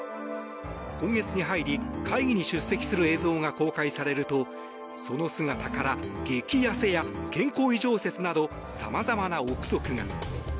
今月に入り、会議に出席する映像が公開されるとその姿から激痩せや健康異常説などさまざまな憶測が。